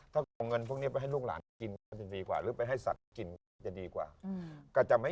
ต้องเอาเงินพวกนี้ไปให้ลูกหลานไปกินก็จะดีกว่าหรือไปให้สัตว์กินก็จะดีกว่าก็จะไม่